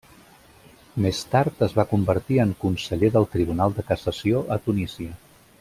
Més tard es va convertir en conseller del Tribunal de Cassació a Tunísia.